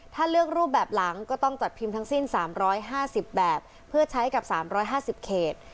ถ้าเลือกรูปแบบหลังก็ต้องจัดพิมพ์ทั้งสิ้นสามร้อยห้าสิบแบบเพื่อใช้กับสามร้อยห้าสิบเขต